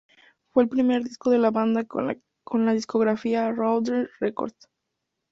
Fue el primer disco de la banda con la discográfica Roadrunner Records.